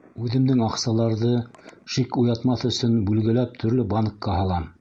Үҙемдең аҡсаларҙы, шик уятмаҫ өсөн бүлгеләп төрлө банкка һалам.